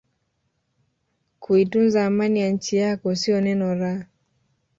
kuitunza Amani ya nchi yako sio neno la